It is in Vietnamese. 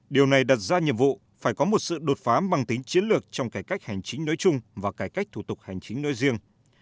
điều này đặt ra nhiệm vụ phải có một sự đột phá bằng tính chiến lược trong cải cách hành chính nói chung và cải cách thủ tục hành chính nói riêng